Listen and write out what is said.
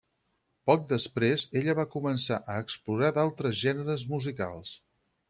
Poc després, ella va començar a explorar d'altres gèneres musicals.